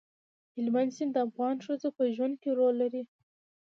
هلمند سیند د افغان ښځو په ژوند کې رول لري.